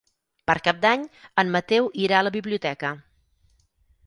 Per Cap d'Any en Mateu irà a la biblioteca.